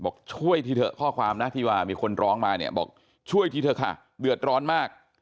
บอกช่วยทีเถอะข้อความนะที่ว่ามีคนร้องมาเนี่ยบอกช่วยทีเถอะค่ะเดือดร้อนมาก